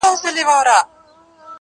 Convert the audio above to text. • انسان انسان ته زيان رسوي تل,